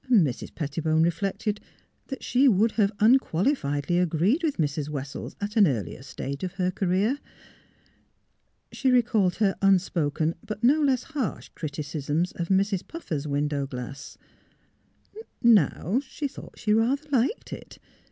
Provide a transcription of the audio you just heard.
Mrs. Pet tibone reflected that she would have unqualifiedly agreed with Mrs. Wessels at an earlier stage of her career. She recalled her unspoken, but no less harsh, criticisms of Mrs. Putfer's window glass. Now, she thought she rather liked it.